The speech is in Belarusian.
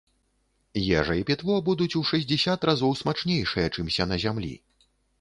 Ежа і пітво будуць у шэсцьдзесят разоў смачнейшыя, чымся на зямлі.